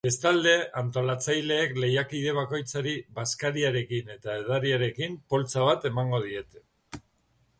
Bestalde, antolatzaileek lehiakide bakoitzari bazkariarekin eta edariarekin poltsa bat emango diete.